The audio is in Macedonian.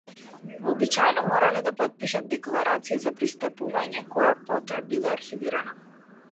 Вообичаено морале да потпишат декларација за пристапување која потоа била архивирана.